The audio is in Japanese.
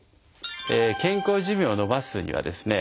健康寿命を延ばすにはですね